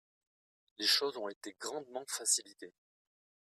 Les choses ont été grandement facilitées.